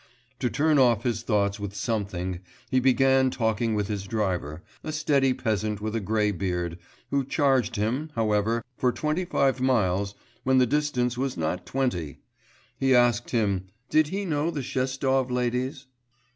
'... To turn off his thoughts with something, he began talking with his driver, a steady peasant with a grey beard, who charged him, however, for twenty five miles, when the distance was not twenty. He asked him, did he know the Shestov ladies?